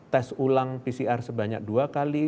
tes ulang pcr sebanyak dua kali